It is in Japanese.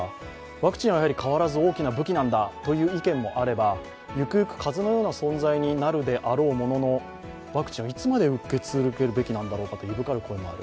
ワクチンは変わらず大きな武器なんだという意見もあれば、行く行く風邪のような存在になるであろうもののワクチンをいつまで受け続けるべきなんだろうかといぶかる声もある。